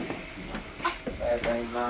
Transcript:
おはようございます。